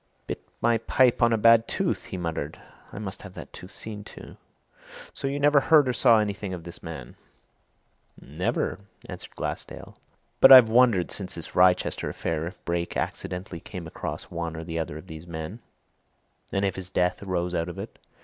"Bit my pipe on a bad tooth!" he muttered. "I must have that tooth seen to. So you never heard or saw anything of this man?" "Never!" answered Glassdale. "But I've wondered since this Wrychester affair if Brake accidentally came across one or other of those men, and if his death arose out of it.